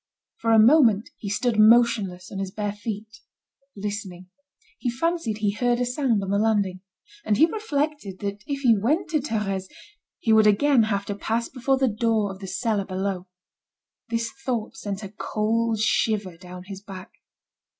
For a moment he stood motionless on his bare feet, listening. He fancied he heard a sound on the landing. And he reflected that if he went to Thérèse, he would again have to pass before the door of the cellar below. This thought sent a cold shiver down his back.